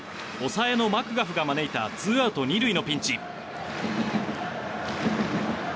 抑えのマクガフが招いた２アウト２塁のピンチ。